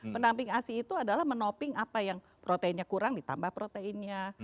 pendamping asi itu adalah menoping apa yang proteinnya kurang ditambah proteinnya